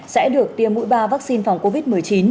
sẽ được tiêm mũi ba vaccine phòng covid một mươi chín